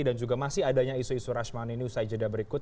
dan juga masih adanya isu isu rashman ini usai jeda berikut